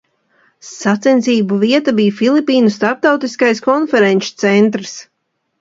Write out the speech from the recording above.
Sacensību vieta bija Filipīnu Starptautiskais konferenču centrs.